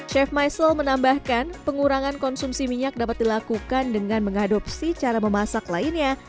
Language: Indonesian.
chef michael menambahkan pengurangan konsumsi minyak dapat dilakukan dengan mengadopsi cara memasak lainnya